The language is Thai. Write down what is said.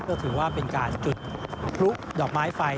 ก็ถือว่าเป็นการจุดพลุดอกไม้ไฟ